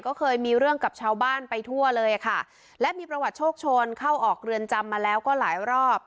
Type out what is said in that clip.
ก็เคยมีเรื่องกับชาวบ้านไปทั่วเลยค่ะและมีประวัติโชคชนเข้าออกเรือนจำมาแล้วก็หลายรอบ